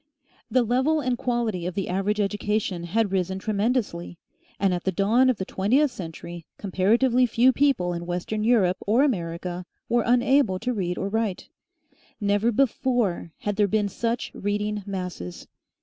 The level and quality of the average education had risen tremendously; and at the dawn of the twentieth century comparatively few people in Western Europe or America were unable to read or write. Never before had there been such reading masses.